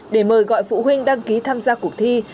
để mời gọi phụ huynh đăng ký tham gia cuộc thi